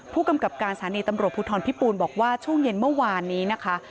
ผู้กำกับการสถานีตำรวจภูทรพิปูนบอกว่าช่วงเย็นเมื่อวานนี้นะคะ